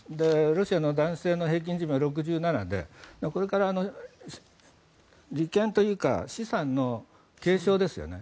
ロシアの男性の平均寿命は６７でこれから利権というか資産の継承ですよね。